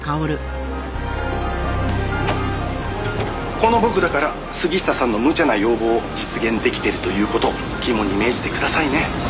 「この僕だから杉下さんのむちゃな要望を実現できているという事を肝に銘じてくださいね」